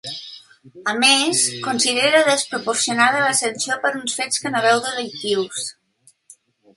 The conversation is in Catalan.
A més, considera desproporcionada la sanció per uns fets que no veu delictius.